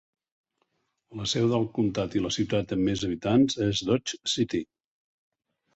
La seu del comptat i la ciutat amb més habitants és Dodge City.